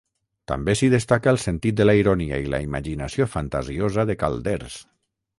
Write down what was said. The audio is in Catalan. També s'hi destaca el sentit de la ironia i la imaginació fantasiosa de Calders.